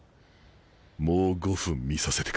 もう５分見させてくれ。